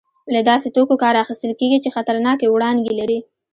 له داسې توکو کار اخیستل کېږي چې خطرناکې وړانګې لري.